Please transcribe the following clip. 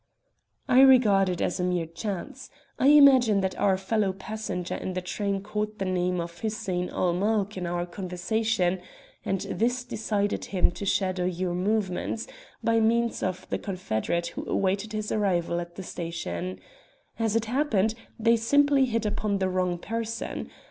"I regard it as mere chance. I imagine that our fellow passenger in the train caught the name of Hussein ul Mulk in our conversation, and this decided him to shadow your movements, by means of the confederate who awaited his arrival at the station. As it happened, they simply hit upon the wrong person.